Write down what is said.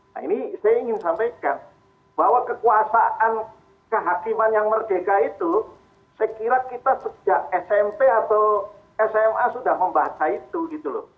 nah ini saya ingin sampaikan bahwa kekuasaan kehakiman yang merdeka itu saya kira kita sejak smp atau sma sudah membaca itu gitu loh